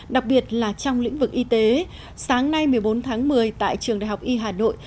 đặc biệt là trong lĩnh vực y tế sáng nay một mươi bốn tháng một mươi tại trường đại học y hà nội